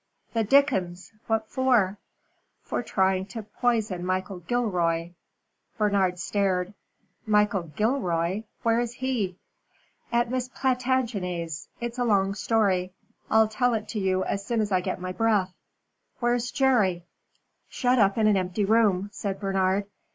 "The dickens! What for?" "For trying to poison Michael Gilroy!" Bernard stared. "Michael Gilroy? Where is he?" "At Miss Plantagenet's. It's a long story. I'll tell it to you as soon as I can get my breath. Where's Jerry?" "Shut up in an empty room," said Bernard.